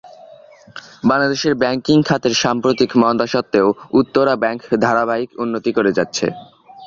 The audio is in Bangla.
বাংলাদেশের ব্যাংকিং খাতের সাম্প্রতিক মন্দা স্বত্ত্বেও উত্তরা ব্যাংক ধারাবাহিক উন্নতি করে যাচ্ছে।